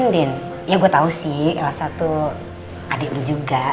din ya gue tau sih elsa tuh adik lu juga